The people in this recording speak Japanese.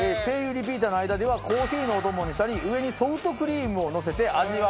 リピーターの間ではコーヒーのお供にしたり上にソフトクリームをのせて味わう